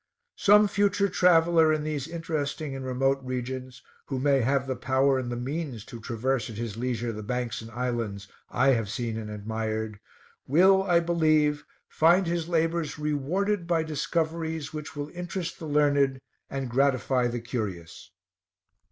Some future traveler in these interesting and remote regions, who may have the power and the means to traverse at his leisure the banks and islands I have seen and admired, will, I believe, find his labors rewarded by discoveries which will interest the learned, and gratify the curious.